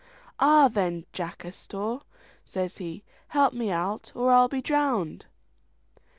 "Ah, then, Jack asthore," says he, "help me out or I'll be drowned."